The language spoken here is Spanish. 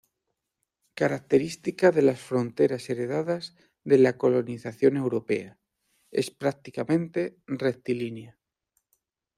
Característica de las fronteras heredadas de la colonización europea, es prácticamente rectilínea.